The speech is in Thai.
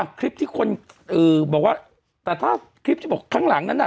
คลิปที่คนเอ่อบอกว่าแต่ถ้าคลิปที่บอกข้างหลังนั้นน่ะ